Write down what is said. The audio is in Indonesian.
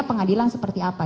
pengadilan seperti apa